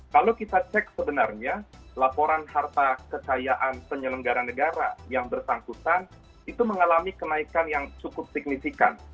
kalau kita cek sebenarnya laporan harta kekayaan penyelenggara negara yang bersangkutan itu mengalami kenaikan yang cukup signifikan